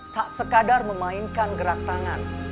tak sekadar memainkan gerak tangan